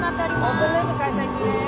・オープンルーム開催中です。